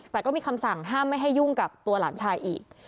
แต่ก็มีคำสั่งห้ามไม่ให้ยุ่งกับตัวหลานชายอีก